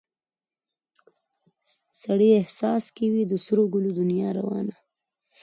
سړي احساس کې وي د سرو ګلو دنیا روانه